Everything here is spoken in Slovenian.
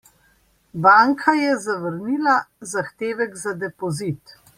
Banka je zavrnila zahtevek za depozit.